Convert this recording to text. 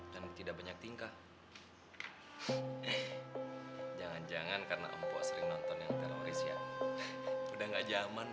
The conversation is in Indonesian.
dan tidak banyak tingkah jangan jangan karena empok sering nonton yang teroris ya udah enggak zaman